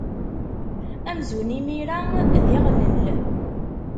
Amzun imira d iɣlel.